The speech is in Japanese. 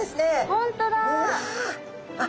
本当だ！